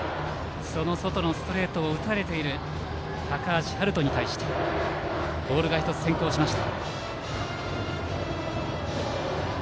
外のストレートを打たれている高橋陽大に対してボールが１つ先行しました。